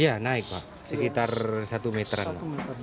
iya naik pak sekitar satu meteran pak